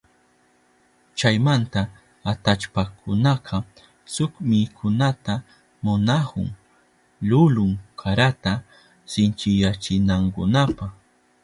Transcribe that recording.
Chaymanta atallpakunaka shuk mikunata munanahun lulun karata sinchiyachinankunapa.